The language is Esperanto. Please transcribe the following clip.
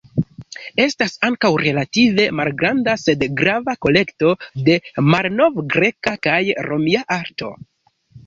Estas ankaŭ relative malgranda sed grava kolekto de malnovgreka kaj romia arto.